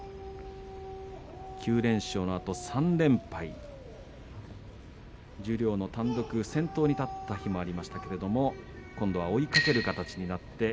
９連勝のあと３連敗十両の単独先頭に立った日もありましたけども今度は追いかける形になりました。